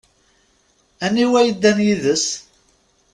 Aniwa yeddan yid-s?